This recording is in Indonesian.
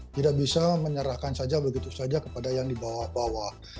tidak bisa menyerahkan saja begitu saja kepada yang di bawah bawah